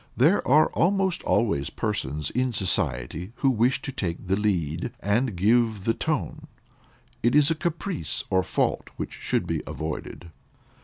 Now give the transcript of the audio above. There are almost always persons in society who wish to take the lead, and give the ton; it is a caprice or fault which should be avoided.